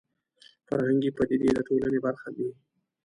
فرهنګي پدیدې د ټولنې برخه دي